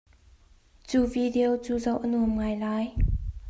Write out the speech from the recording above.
Cu video cu zoh a nuam ngai lai.